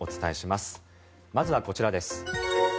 まずはこちらです。